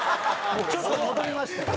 ちょっと戻りましたよ。